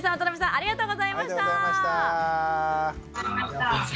ありがとうございます。